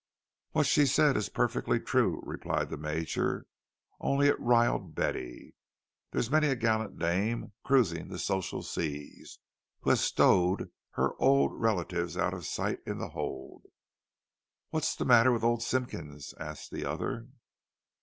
"What she said is perfectly true," replied the Major; "only it riled Betty. There's many a gallant dame cruising the social seas who has stowed her old relatives out of sight in the hold." "What's the matter with old Simpkins?" asked the other.